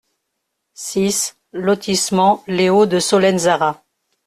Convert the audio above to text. six lotissement Les Hauts de Solenzara